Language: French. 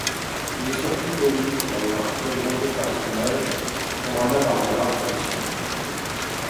Il est surtout connu pour avoir créé de nombreux personnages pour Hanna-Barbera Productions.